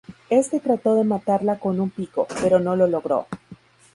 Este trato de matarla con un pico, pero no lo logró.